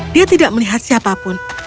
dia tidak melihat siapapun